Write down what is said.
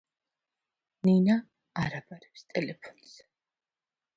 ნინა არ აბარებს ტელეფონს